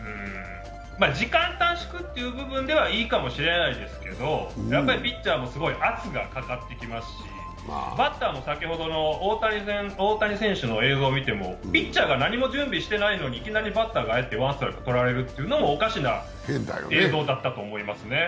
時間短縮という部分ではいいかもしれないですけどやっぱりピッチャーも圧がかかってきますし、バッターも先ほどの大谷選手の映像を見ても、ピッチャーが何も準備していないのに、いきなりバッターがワンストライク取られるというのもおかしな映像だったと思いますね。